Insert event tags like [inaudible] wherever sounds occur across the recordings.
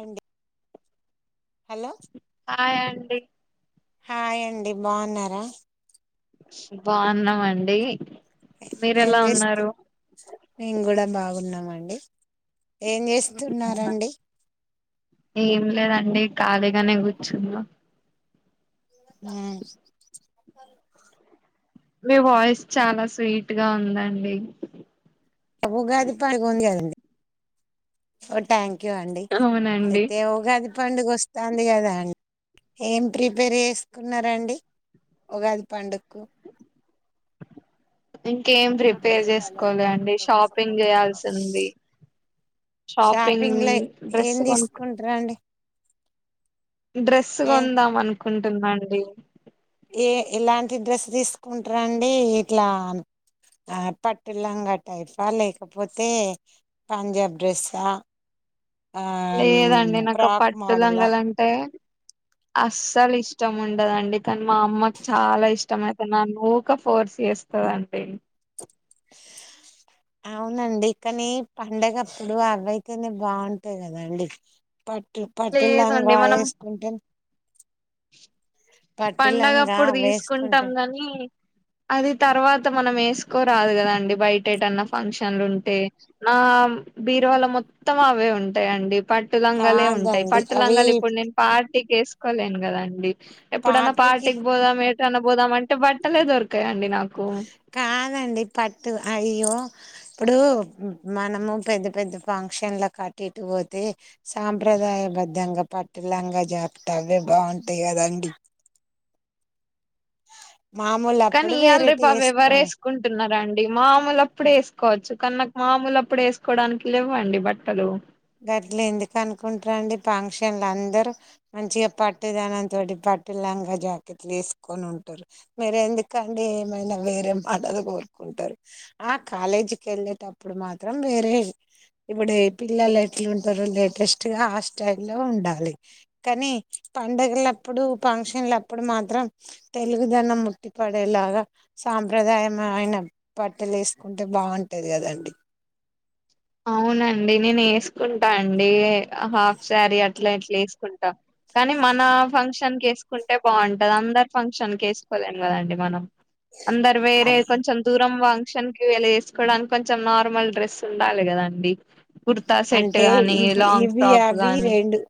ఎండి hello hi అండి hi అండి బాగున్నారా బాగున్నామండి ఏం మీరెలా చేస్తూ ఉన్నారు నేను కూడా బాగు ఉన్నామండి ఏం చేస్తున్నారండి కాలిగానే కూర్చున్నా హ్ మీ వాయిస్ చాలా స్వీట్ గా ఉందండి ఉగాది పండుగ ఉంది కదండి ఓ థ్యాంక్ యూ అండి అవునండి అయితే ఉగాది పండుగ ఉం వస్తుంది కదా అం ఏం ప్రిపేర్ చేసుకున్నరండి ఉగాది పండుగకు [inaudible] ఇంకేం ప్రిపేర్ చేసుకోలే అండి షాపింగ్ చేయాల్సింది షాపింగ్ ఏం డ్రెస్ కొనుకో తీసుకుంటారండి డ్రెస్ ఏ కొందాం అను కుంటున్నాండి ఎ ఇలాంటి డ్రెస్ తీసుకుంటరండి ఇట్లా ఆ పట్టు లంగా టైపా లేకపోతే పంజాబ్ డ్రస్ ఆ లేదండి నాకు ఫ్రాక్ పట్టు మోడలా లంగలు అంటే అస్సలు ఇష్టం ఉండదండి కానీ మా అమ్మకి చాలా ఇష్టం అయితే నన్ను ఊకె ఫోర్స్ చేస్తదండి ఆ అవునండి కానీ పండగ ఇప్పుడు అవ్వయితేనే బాగుంటాయి కదా అండి పట్టు పట్టు లంగా వేసుకుంటే పట్టు పండగ లంగా అప్పుడు తీసుకుంటాం వేసుకుంటే కాని అది తర్వాత మనం వేసుకోరాదు కదండి బయట ఎటన్నా ఫంక్షన్లు ఉంటే నా బీరువాళ మొత్తం అవే ఉంటాయిండి పట్టులంగలే ఉంటాయి కాదండి అవి పట్టులంగలు ఇప్పుడు నేను పా ఇగ ఏసుకోలేను కదా అండి డి ఎప్పుడన్నా పార్టీకి పోదాం ఎట్ ఎటన్నా పోదామంటే బట్టలే దొర్కై అండి ఉంది నాకు కాదండి పట్టు అయ్యో ఇప్పుడు మనము పెద్ద పెద్ద ఫంక్షన్లు కు అట్టు ఇటు పోతే సాంప్రదాయ బద్ధంగా పట్టు లంగా జాకెట్టు అవే బాగుంటాయి కదండి మామూలు కానీ అప్పుడు ఇయాల వేరేటి రేపు అవి ఎవరు వేసుకోవాలి వేసుకుంటున్నార అండి మాములు అప్పుడు వేసుకోవచ్చు కాని నాకు మాముూలు అప్పుడు వేసుకోవడానికి లేవు అండి బట్టలు గట్ల ఎందుకు అనుకుంటరుండి ఫంక్షన్లు అందరు మంచిగా పట్టుదనంతోటి పట్టు లాంగా జాకెట్లు వేసుకొని ఉంటరు మీరు ఎందుకండి ఏమైనా వేరే మోడల్ కోరుకుంటారు ఆ కాలేజీకి వెళ్ళేటప్పుడు మాత్రం వేరే ఇప్పుడు ఏ పిల్లల ఎట్లు ఉంటరు లేటెస్టుగా ఆ స్టై లో ఉండాలి కానీ పండగలప్పుడు ఫంక్షన్ల అప్పుడు మాత్రం తెలుగుదనం ఉట్టి పడేలాగా సాంప్రదాయమైన బట్టలు వేసుకుంటే బాగుంటుది కదండి తీసుకుంటా అండి హాఫ్ శారీ అట్లా అట్లా వేసుకుంటాం కానీ మన ఫంక్షన్ ఫంక్షన్ కి వేసుకుంటే బాగుంటది అందరు ఫంక్షన్ కి వేసుకోలేను కదండి మనం అందరు వేరే కొంచెం దూరం వాంగ్ ఫంక్షన్ కి ఇవాళ వేసుకోడానికి కొంచెం నార్మల్ డ్రెస్ ఉండాలి కదండి కుర్తా సెట్ అంటే గానీ ఇవి లాంగ్ ఇవి ఫ్రాక్ అవి గానీ రెండు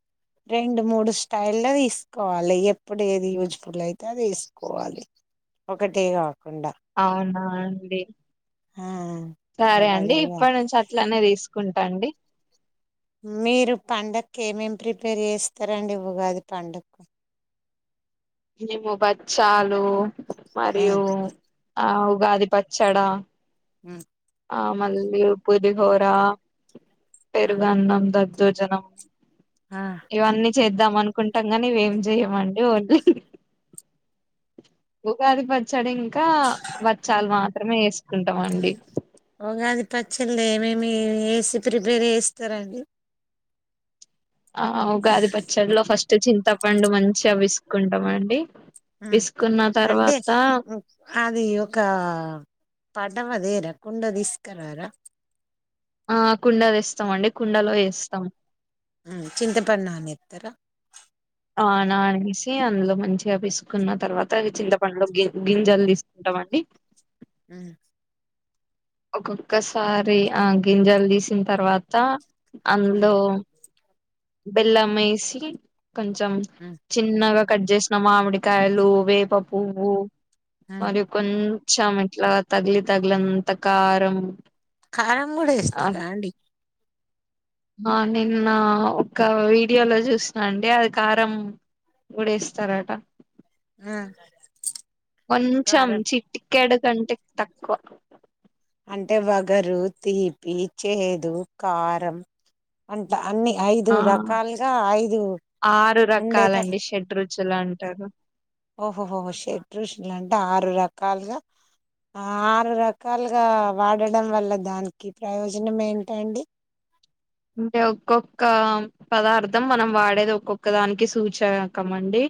రెండు మూడు స్టైల్ ల్ల తీసుకోవాలి ఎప్పుడు ఏది యూజ్ఫుల్ అయితే అది తీసుకోవాలి ఒకటి గా అవునా అండి ఆ సరే అలా అండి చేయాలి ఇప్పటి నుంచి అట్లనే తీసుకు కుంటాండి మీరు పండగ కే ఏమేం ప్రిపేర్ చేస్తారండి ఉగాది పండగకు మేము బచ్చాలు లు ఆ మరియు ఓ ఆ ఉగాది పచ్చడా హు ఆ మల్లి పుదిహోరా పెరుగ్ అన్నం ద ద్దోజనం ఆ ఇవన్నీ చేద్దాం అన్ కుంటం నిగా ఇవేం చెయమండి ఓన్లీ ఉగాది పచ్చడి ఇంకా వచ్చాలు మాత్రమే ఎస్ కుంటం అండి. పచ్చళ్ళ్ ఏమేమి ఏసి ప్రిపేర్ ఎస్తారండి. ఆ ఉగాది పచ్చల్లో ఫస్ చింతపండు మంచిగా విసుకుంటమండి. ఆ అంటే అది ఒక పా కడవదేరా కుండ తీస్కరార ఆ కుండ వేస్తామండి కుండలో వేస్తాము. ఆ చింతపండ్ నానెత్తర ఆ నానేసి అందులో మంచిగా పిసుక్కున్న తర్వాత చింతపంలో గి గింజలు తీసుకుంటమండి. హు ఒక్కొక్కసారి ఆ గింజల్ తీసిన తర్వాత అందొ బెల్లం మేషి కొంచెం చిన్నగా కట్ చేస్నమా మామిడికాయలు వేప పువ్వు మరి కొన్ చ్చాం ఎట్లా తగిలి తగిలింత కారం కారం కూడా ఎస్తరాండి. ఆ నిన్న ఒక వీడియోలో చూస్నా అండి. అది కారం కూడెస్తారట కొంచమ్ కారం చిట్ట్ కెడు కంటెక్ట్ తక్కువ అంటే వగరు తీపి చేదు కారం అంట అన్ని ఐదు ఆ రకాలుగా ఐదు, ఉండేత చ్చలు అంటారు. ఓహోహోహో షెడ్రూష్ లంటే ఆరు రకాల్ గా, ఆరు రకాలుగా వాడడం వల్ల దానికి ప్రయోజనం ఏంటండి. అంటే ఒక్కొక్క పదార్థం మనం వాడేది ఒక్కొక్క దానికి సూచరకం అండి.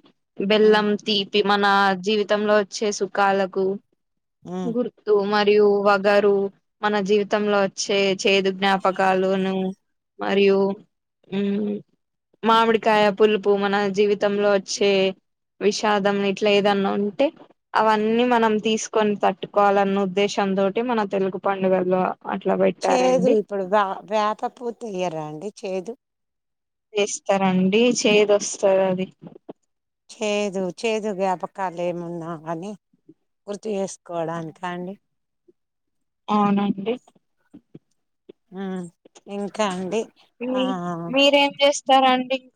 హ్మ్. బెల్లం తీ మన జీవితంలో వచ్చే సుఖాలకు హ్మ్. గుర్తు మ యు వగరు మన జీవితంలో వచ్చే చేదు జ్ఞాపకాలును మరియు ఉ మామిడికాయ పులుపు మన జీవితంలో వచ్చే విషాదం ఇట్లా, ఏదన్నా ఉంటే అవన్నీ మనం తీసుకొని తట్టుకోవాలన్న ఉద్దేశంతో, మన తెలుగు పండుగల్లో అట్లా చేదు పెట్టారండి ఇప్పుడు బా వేప పూ తియ్యారా అండి చేదు వేస్తారండి చెదోస్తది అది చేదు చేదు జ్ఞాపకాలు ఏమున్నా అని గుర్తు చేసుకోవడానినికి అండి అవునండి అ ఇంకా అండి ఆ రండి ఇక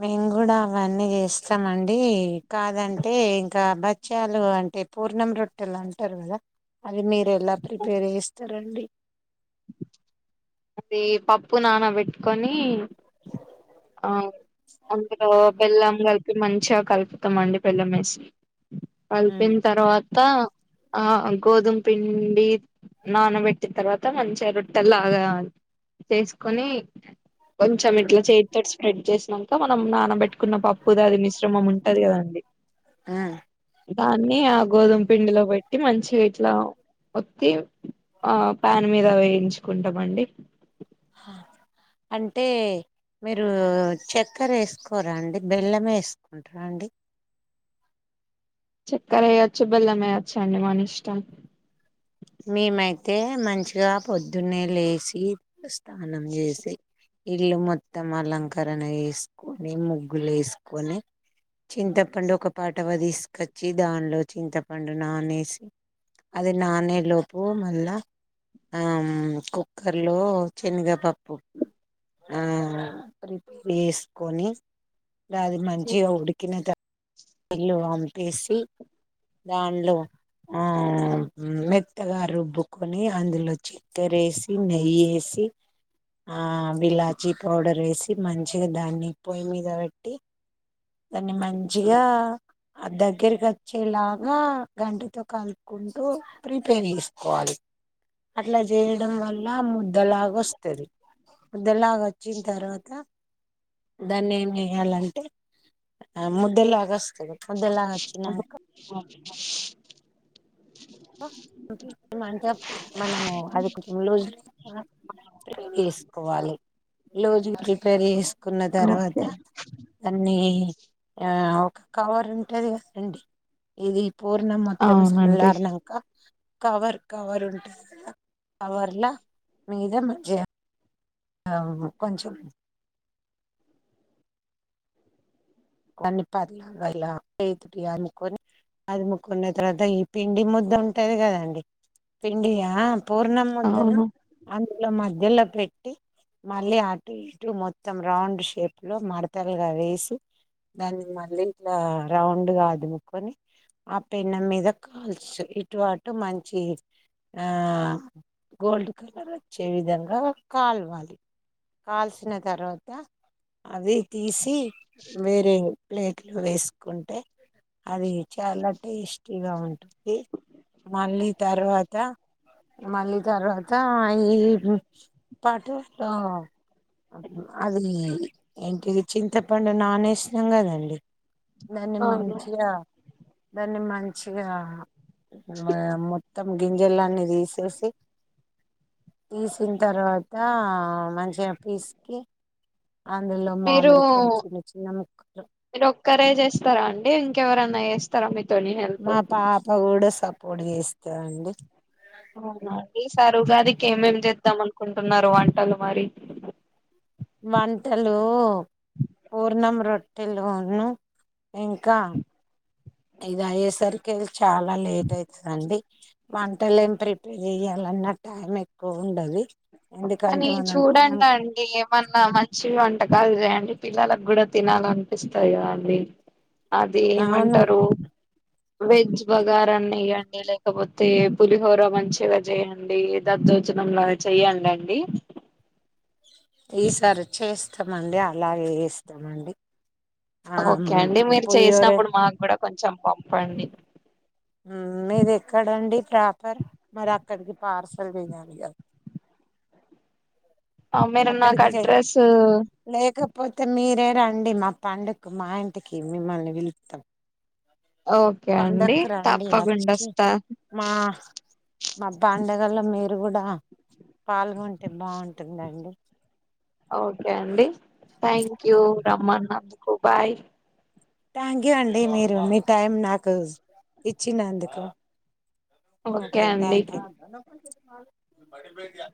మేము కూడా అవన్నీ చేస్తామండి. కాదంటే ఇంకా బచ్ఛాలు అంటే పూర్ణం రొట్టెలు అంటారు కదా. మీర ఎలా ప్రిపేర్ చేస్త రండి అది పప్పు నాన పెట్టుకొని ఆ అందులో బెళ్లం కలిపి మంచిగా కలుపుతామండి బెళ్లం వేసి ఉమ్. కల్పిన తర్వాత ఆ గోధుమ పిండి నానబెట్టి తర్వాత మంచిగా రొట్టెల్లగా చేసుకొని కొంచెం ఇట్లా చేతితో స్ప్రెడ్ చేసినాక మనం నానబట్టు కున్న పప్పుద అది మిశ్రమం ఉంటది కదండి. దాన్ని ఆ గోధుమ పిండిలో పెట్టి మంచిగా ఇట్లా ఒత్తి, ఆ ప్యాన్ మీద వేయించుకుంటామండి. అంటే మీరు చక్కర వేసుకోరా అండి. బెల్లమే వేసుకుంటారా అండి. చక్కర వేయ్యొచ్చు, బెల్లం వేయచ్చ అండి మన ఇష్టం. మేమైతే మంచిగా పొద్దున్నే లేచి స్నానము చేసి ఇల్లు మొత్తం అలంకరణ వేసుకొని. ముగ్గులు వేసుకొని, చింతపండు ఒక పాటవ తీసుకొచ్చి, దానిలో చింతపండు నానేేసి అది నానే లోపు మళ్ళా కుక్కర్లో శనగపప్పు ప్రిపేర్ ఆ చేసుకొని. అది మంచిగా ఉడికిిన త ఇల్లు అంపేసి దానిలో మెత్తగా రుబ్బుకొని, అందులో చక్కెర వేసి, నెయ్యి వేసి, ఆ యి లాచి పౌడర్ వేసి, మంచిగా దాన్ని పొయ్యి మీద పెట్టి దాన్ని మంచి. య ఆ దగ్గరికి వచ్చేలాగా గంటితో కలుపుకుంటూ, ప్రిపేర్ చేసుకోవాలి అట్లా చేయడం వల్ల ము దలాగ వస్తది, ముద్దలాగ వచ్చిన తర్వాత, దాన్ని ఏమి చేయాలంటే ముద్. దలాగస్. ముద్దలాగ వచ్చినంకా. [unintelligible] అంటే మనము అది కొంచెం లూజ్ చేసుకోవాలి. లూజ్ గీ పేరుగు చేసుకున్న తర్వాత ఓకే దాన్ని. ఆ ఒక కవర్ ఉంటది కదండి ఇది పూర్ణ మొత్తం అవునండి సలర్న కవర్ కవర్ ఉంటది కద కవర్ల మీద మంచి ఆ కొంచెం దన్ని పర్లాలా ఇలా చేతోటి అముకొని అదుముకున్న తర్వాత ఈ పిండి ముద్ద ఉంటది కదండి పిండియా పూర్ణం ముద్దను అవును అందులో మద్ద మదిలో పెట్టి మళ్ళీ అటు ఇటు మొత్తం రౌండ్ షేప్ లో మడతలుగా వేసి దాన్ని మళ్ళీ ఇట్లా రౌండ్గా అదుముకొని ఆ పెనం మీద కాల్చ ఇటువాటు మంచి గోల్డ్ కలర్ వచ్చే విధంగా కాల్వాలి కాల్సిన తర్వాత అది తీసి వేరే ప్లేట్లు వేసుకుంటే అది చాలా టేస్టీగా ఉంటుంది మళ్ళీ తర్వాత మళ్ళీ తర్వాత ఈ పాటు అది ఏంటిది చింతపండు నానే సినాం గాదండి దాన్ని అవును మంచియా దాన్ని మంచిగా మా మొత్తం గింజలు అన్నీ తీసేసి తీసిన తర్వాత మంచిగా పిస్కీ అందులో మీరు మామిడి కాయ చిన్న చిన్న ము మీరు ఒక్కరే చేస్తారా అండి ఇం కేవరన్న చేస్తార మీకు మా పాప కూడా సప్ పొటు చేస్తా అండి అవునా అండి ఈసారి ఉగాదికి ఏం ఏం చే చేద్దాం అనుకుంటున్నారు వంటలు మరి వంటలు పూర్ణం రొట్టెలును ఇంకా ఇది అయే సరికేల్ చాలా లేట్ అయితదండి వంటలు ఏం ప్రి ఇగ చెయాలన్న టైం ఎక్కువ ఉండది ఎందుకంటే కానీ మనం టైం చూడండి అండి ఏమన్నా మంచివి వ వంటకాలు చేయండి పిల్లలకు కూడా తినాలనిపిస్తాది కదా అండి అది అవును ఏమంటరు వెజ్ బగారాన్న ఎయ్యండి లేకపోతే పులిహోర మంచిగా చేయండి దద్దోజనం లాగా చేయండండి డి ఈసారి చేస్తమండి అలాగే చేస్తమండి ఓకే అండి మీరు చేసినప్పుడు మాకు కూడా కొంచెం పంపండి మ్, మీది ఎక్కడండి ప్రాపర్ మరి అక్కడికి పార్సల్ చేయలి కదా అ మీరు నాకు అడ్రస్ పోతే మీరే రండి మా పండుక్కు మా ఇంటికి మిమ్మల్ని పిలుతం ఓకే అండి తప్పకుండా వచ్చి వస్తా మా మా పండగలో మీరు గుడా పాల్గొంటే బాగుంటుందండి ఓకే అండి థ్యాంక్ యూ రమ్మన్నందుకు బాయి థ్యాంక్ యూ అండి మీరు మీ టైం నాకు ఇచ్చినందుకు ఓకే థ్యాంక్ యూ [unintelligible]